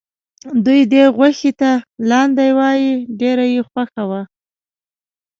دوی دې غوښې ته لاندی وایه ډېره یې خوښه وه.